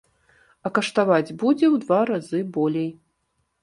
А каштаваць будзе ў два разы болей.